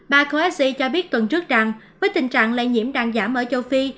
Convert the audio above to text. bà coexi cho biết tuần trước rằng với tình trạng lây nhiễm đang giảm ở châu phi